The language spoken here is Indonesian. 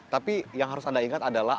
tapi yang harus anda ingat adalah